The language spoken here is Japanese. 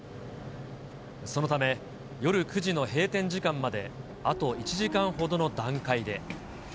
そのため、夜９時の閉店時間まであと１時間ほどの段階で。